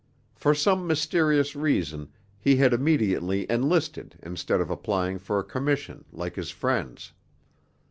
For some mysterious reason he had immediately enlisted instead of applying for a commission, like his friends.